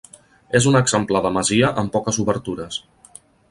És un exemplar de masia amb poques obertures.